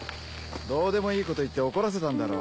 どうでもいいこと言って怒らせたんだろ。